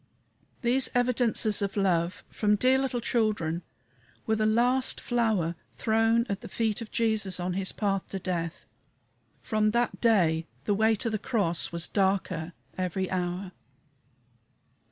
These evidences of love from dear little children were the last flower thrown at the feet of Jesus on his path to death. From that day the way to the cross was darker every hour.